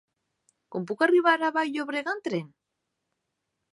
Com puc arribar a Vall-llobrega amb tren?